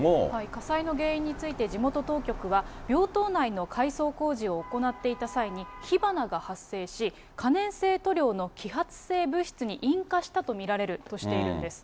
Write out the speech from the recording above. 火災の原因について地元当局は、病棟内の改装工事を行っていた際に、火花が発生し、可燃性塗料の揮発性物質に引火したと見られるとしているんです。